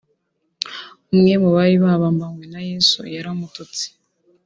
umwe mu bari babambanywe na Yesu yaramututse